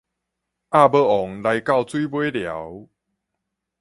鴨母王來到水尾寮